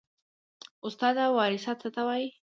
استاده وراثت څه ته وایي